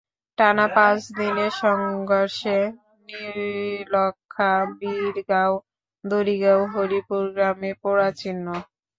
টানা পাঁচ দিনের সংঘর্ষে নীলক্ষা, বীরগাঁও, দড়িগাঁও, হরিপুর গ্রামে পোড়া চিহ্ন।